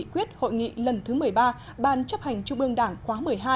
nghị quyết hội nghị lần thứ một mươi ba ban chấp hành trung ương đảng khóa một mươi hai